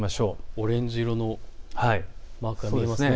オレンジ色のマークが見えます。